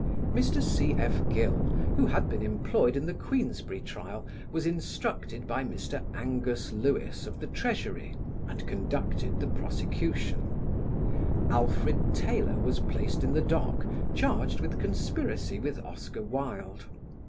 Mr. C.F. Gill, who had been employed in the Queensberry trial, was instructed by Mr. Angus Lewis of the Treasury, and conducted the prosecution; Alfred Taylor was placed in the dock charged with conspiracy with Oscar Wilde.